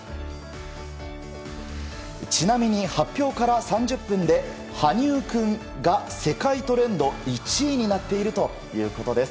ちなみに発表から３０分で羽生くんが世界トレンド１位になっているということです。